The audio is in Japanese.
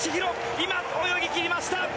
今、泳ぎ切りました！